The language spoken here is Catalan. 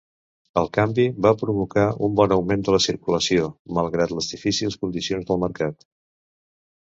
El canvi va provocar un bon augment de la circulació, malgrat les difícils condicions del mercat.